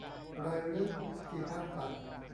ไรรึ ที่พักป่ะ ?